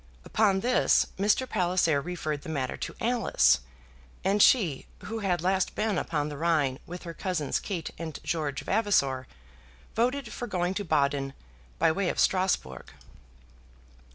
Upon this, Mr. Palliser referred the matter to Alice; and she, who had last been upon the Rhine with her cousins Kate and George Vavasor, voted for going to Baden by way of Strasbourg.